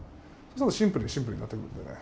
シンプルにシンプルになってくるのでね